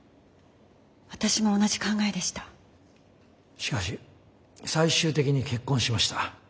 しかし最終的に結婚しました。